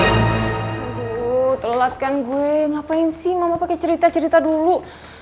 aduh terlelat kan gue ngapain sih mama pake cerita cerita dulu